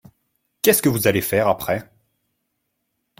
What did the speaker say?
Qu'est-ce que vous allez faire après ?